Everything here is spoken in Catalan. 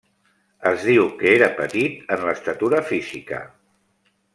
Es diu que era petit en l'estatura física.